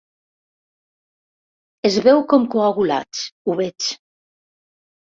Es veu com Coagulats, ho veig.